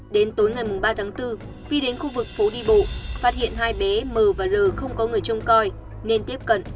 đến tối ngày ba tháng bốn vi đến khu vực phố đi bộ phát hiện hai bé m và l không có người trông coi nên tiếp cận